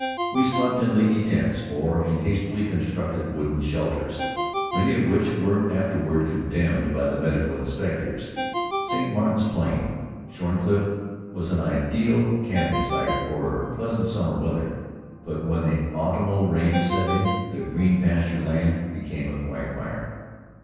We slept in leaky tents or in hastily constructed wooden shelters, many of which were afterward condemned by the medical inspectors. St. Martin's Plain, Shorncliffe, was an ideal camping site for pleasant summer weather. But when the autumnal rains set in, the green pasture land became a quagmire.